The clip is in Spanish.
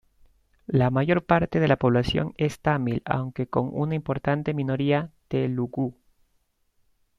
La mayor parte de la población es tamil aunque con una importante minoría telugu.